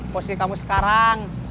posisi kamu sekarang